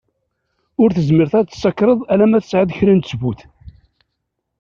Ur tezmireḍ ad t-tessakreḍ ala ma tesεiḍ kra n ttbut.